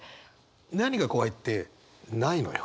何が怖いってないのよ。